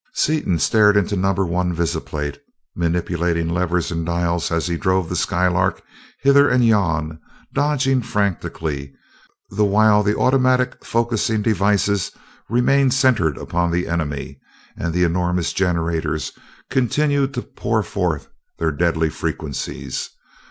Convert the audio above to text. Seaton stared into number one visiplate, manipulating levers and dials as he drove the Skylark hither and yon, dodging frantically, the while the automatic focusing devices remained centered upon the enemy and the enormous generators continued to pour forth their deadly frequencies.